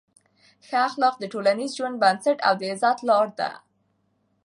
ښه اخلاق د ټولنیز ژوند بنسټ او د عزت لار ده.